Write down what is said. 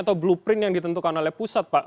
atau blueprint yang ditentukan oleh pusat pak